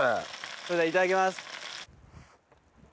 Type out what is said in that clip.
それではいただきます。